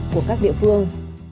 cho các địa phương